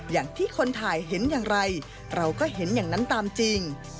อย่างที่คนถ่ายเห็นอย่างไรเราก็เห็นอย่างนั้นตามจริง